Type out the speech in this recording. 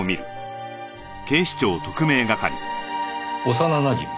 幼なじみ？